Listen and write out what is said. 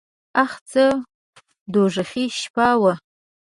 اخ څه دوږخي شپه وه .